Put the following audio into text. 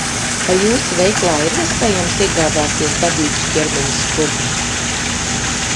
Vai jūsu veikalā ir iespējams iegādāties dabīgus ķermeņa skrubjus?